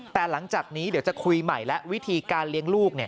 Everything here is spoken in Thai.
แต่หลังจากนี้เดี๋ยวจะคุยใหม่แล้ววิธีการเลี้ยงลูก